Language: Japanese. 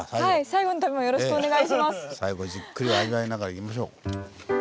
最後じっくり味わいながら行きましょう。